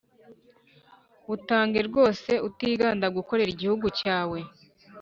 wutange rwose utiganda gukorera igihugu cyawe